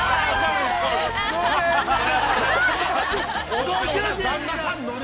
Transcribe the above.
◆ご主人が。